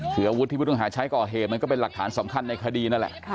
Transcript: คืออาวุธที่ผู้ต้องหาใช้ก่อเหตุมันก็เป็นหลักฐานสำคัญในคดีนั่นแหละ